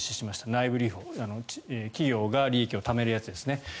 内部留保企業が利益をためるやつですね。